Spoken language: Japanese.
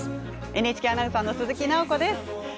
ＮＨＫアナウンサーの鈴木です。